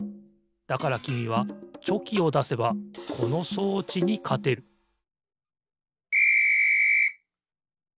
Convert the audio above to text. だからきみはチョキをだせばこの装置にかてるピッ！